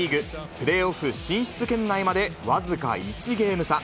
プレーオフ進出圏内まで僅か１ゲーム差。